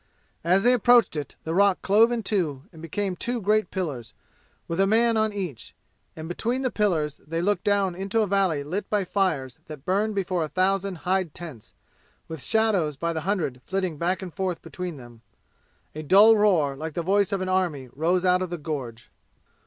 As they approached it the rock clove in two and became two great pillars, with a man on each. And between the pillars they looked down into a valley lit by fires that burned before a thousand hide tents, with shadows by the hundred flitting back and forth between them. A dull roar, like the voice of an army, rose out of the gorge.